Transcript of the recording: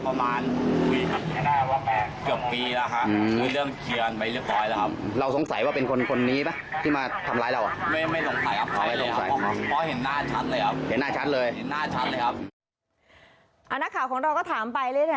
ประมาณเกือบปีแล้วครับ